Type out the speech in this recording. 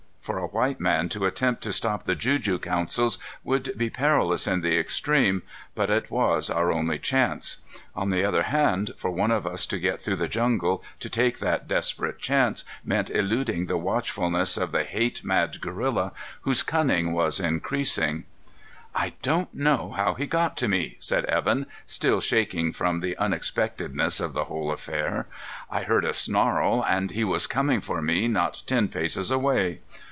For a white man to attempt to stop the juju councils would be perilous in the extreme, but it was our only chance. On the other hand, for one of us to get through the jungle to take that desperate chance meant eluding the watchfulness of the hate mad gorilla, whose cunning was increasing. "I don't know how he got to me," said Evan, still shaking from the unexpectedness of the whole affair. "I heard a snarl, and he was coming for me not ten paces away.